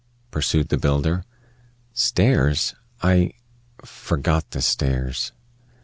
pursued the builder. "Stairs? I forgot the stairs."